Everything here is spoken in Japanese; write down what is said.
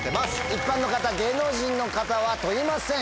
一般の方芸能人の方は問いません。